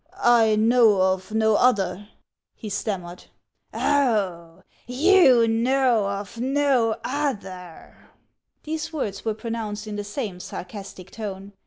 " I know of no other," he stammered. " Oh, you know of no other !" These words were pronounced in the same sarcastic tone.